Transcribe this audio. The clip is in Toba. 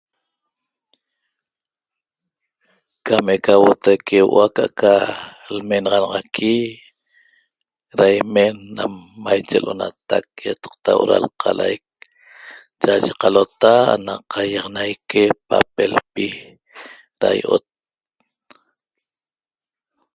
Cam eca huotaique huo o' ca'aca lmenaxanaxaqui da imen nam maiche lo'onatac iataqta huo o' ra lqalaic cha’aye qalota na qaiaxanaique papaelpi ra io'ot